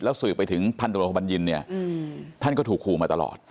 แล้วสืบไปถึงพันธุรกบันยินท่านก็ถูกครูมาตลอด